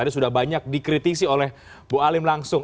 tadi sudah banyak dikritisi oleh bu halim langsung